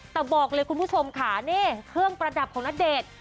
แต่บอกเลยคุณผู้ชมค่ะนี่เครื่องประดับของณเดชน์